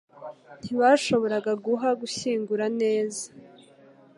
Ntibashoboraga guha gushyingura neza.